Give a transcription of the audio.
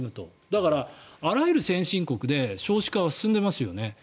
だから、あらゆる先進国で少子化は進んでますよね。